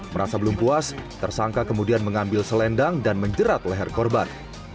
merasa belum puas tersangka kemudian mengambil selendang dan menjerat leher korban